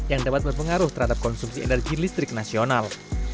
yang dapat berpengaruh terhadap konsumsi energi listrik nasional